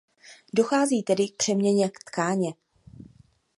Dochází tedy k „přeměně“ tkáně.